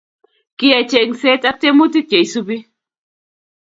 Kiyai chengset ak tiemutik cheisubi